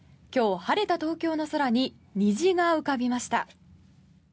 今日、晴れた東京の空に虹が浮かびました。